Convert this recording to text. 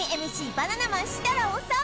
バナナマン設楽統